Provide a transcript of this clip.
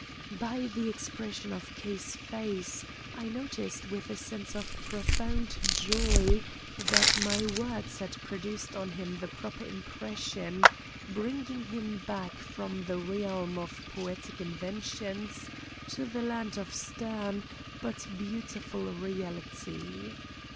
By the expression of K.'s face I noticed with a sense of profound joy that my words had produced on him the proper impression, bringing him back from the realm of poetic inventions to the land of stern but beautiful reality.